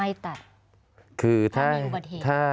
ไม่ตัดคือถ้า